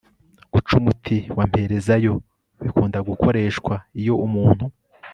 guca umuti wamperezayo bikunda gukoreshwa iyo umuntu